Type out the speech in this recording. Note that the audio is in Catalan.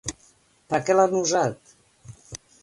Per a què l'han usat?